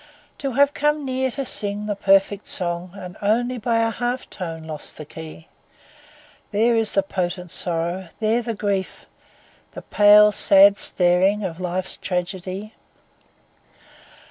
To have come near to sing the perfect song And only by a half tone lost the key, There is the potent sorrow, there the grief, The pale, sad staring of life's tragedy.